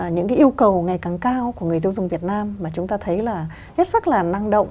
những cái yêu cầu ngày càng cao của người tiêu dùng việt nam mà chúng ta thấy là hết sức là năng động